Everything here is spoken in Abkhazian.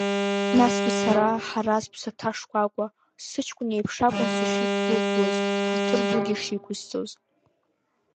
Насгьы сара Ҳараз ԥсаҭа шкәакәа сыҷкәын иеиԥш акәын сышиқәгәыӷуаз, ҳаҭыр дугьы шиқәсҵоз.